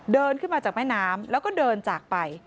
เดินขึ้นมาจากแม่น้ำแล้วก็เดินจากไป